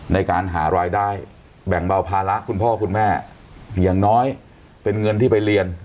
ในการหารายได้แบ่งเบาภาระคุณพ่อคุณแม่อย่างน้อยเป็นเงินที่ไปเรียน